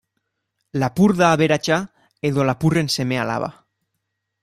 Lapur da aberatsa, edo lapurren seme-alaba.